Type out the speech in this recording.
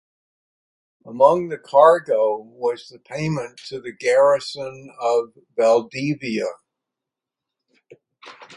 Among the cargo was the payment to the garrison of Valdivia.